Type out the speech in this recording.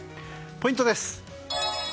ポイントです。